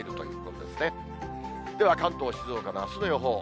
では、関東、静岡のあすの予報。